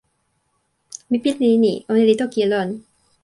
mi pilin e ni: ona li toki e lon.